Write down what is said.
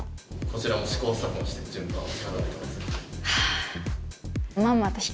こちらも試行錯誤して準備し